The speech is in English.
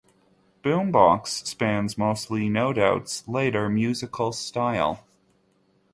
"Boom Box" spans mostly No Doubt's later musical style.